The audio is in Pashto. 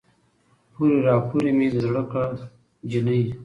پورې راپورې مې له زړه که جينۍ